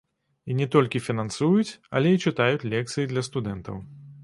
І не толькі фінансуюць, але і чытаюць лекцыі для студэнтаў.